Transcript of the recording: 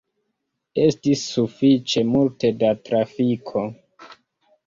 Estis sufiĉe multe da trafiko.